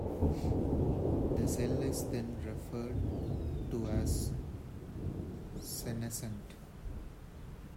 The cell is then referred to as senescent.